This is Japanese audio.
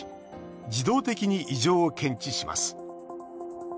自動的に異常を検知します。